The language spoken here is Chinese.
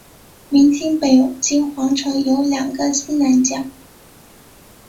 明清北京皇城有两个西南角。